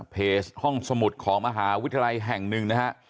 ห้องสมุดของมหาวิทยาลัยแห่งหนึ่งนะฮะ